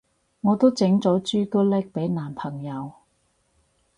我都整咗朱古力俾男朋友